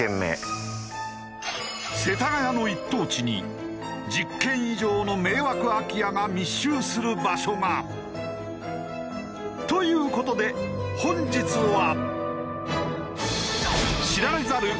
世田谷の一等地に１０軒以上の迷惑空き家が密集する場所が。という事で本日は。